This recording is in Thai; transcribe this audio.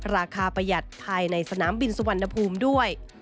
ประหยัดภายในสนามบินสุวรรณภูมิด้วย